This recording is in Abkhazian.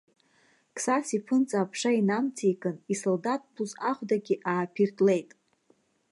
Қсас иԥынҵа аԥша инамҵеикын, исолдаҭ блуз ахәдагьы ааԥиртлеит.